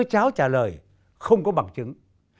chưa cháo trả lời không có bằng chứng